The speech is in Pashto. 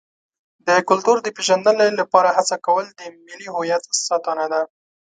د کلتور د پیژندنې لپاره هڅه کول د ملي هویت ساتنه ده.